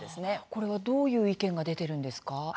これはどういう意見が出ているんですか？